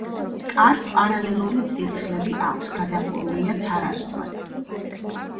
კარს პარალელური წირთხლები აქვს, გადახურულია თარაზულად.